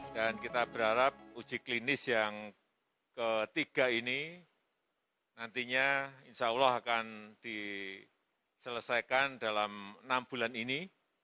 dan kita berharap uji klinis yang ketiga ini nantinya insyaallah akan diselesaikan dalam enam bulan ini